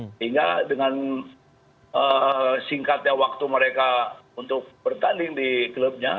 sehingga dengan singkatnya waktu mereka untuk bertanding di klubnya